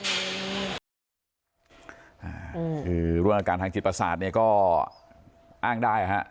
คือเรื่องอาการทางจิตประสาทเนี่ยก็อ้างได้ฮะ